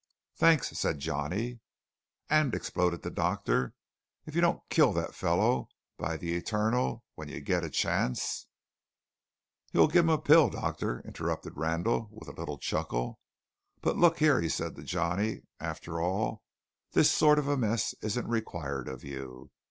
"Thanks," said Johnny. "And," exploded the doctor, "if you don't kill that fellow, by the Eternal, when you get a chance " "You'll give him a pill, Doctor," interrupted Randall, with a little chuckle. "But look here," he said to Johnny, "after all, this sort of a mess isn't required of you.